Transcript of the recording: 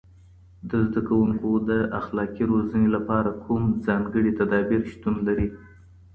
د زده کوونکو د اخلاقي روزنې لپاره کوم ځانګړي تدابیر شتون لري؟